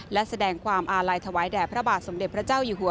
และแสดงความอาลัยถวายแด่พระบาทสมเด็จพระเจ้าอยู่หัว